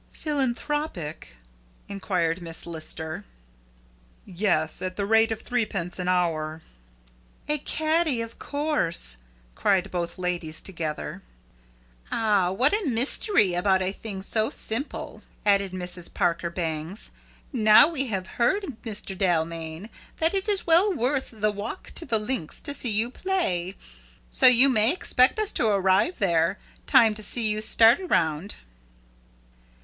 "Philanthropic?" inquired Miss Lister. "Yes, at the rate of threepence an hour." "A caddy, of course," cried both ladies together. "My! What a mystery about a thing so simple!" added Mrs. Parker Bangs. "Now we have heard, Mr. Dalmain, that it is well worth the walk to the links to see you play. So you may expect us to arrive there, time to see you start around."